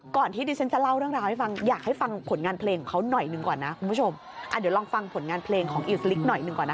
ก่อนที่ดิฉันจะเล่าเรื่องราวให้ฟังอยากให้ฟังผลงานเพลงของเขาหน่อยหนึ่งก่อนนะ